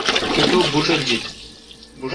کاٹو بوݭلجیت۔